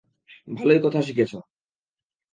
ভালোই কথা শিখেছ।